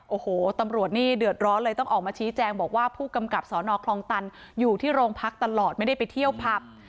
โอ้โหตำรวจนี่เดือดร้อนเลยต้องออกมาชี้แจงบอกว่าผู้กำกับสนคลองตันอยู่ที่โรงพักตลอดไม่ได้ไปเที่ยวผับ